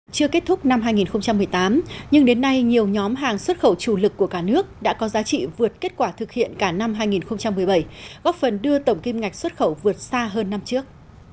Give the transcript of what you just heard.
chưa kết thúc năm hai nghìn một mươi tám nhưng đến nay nhiều nhóm hàng xuất khẩu chủ lực của cả nước đã có giá trị vượt kết quả thực hiện cả năm hai nghìn một mươi bảy góp phần đưa tổng kim ngạch xuất khẩu vượt xa hơn năm trước